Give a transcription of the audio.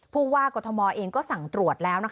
ผู้ว่ากรทมเองก็สั่งตรวจแล้ว